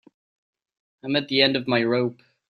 I'm at the end of my rope.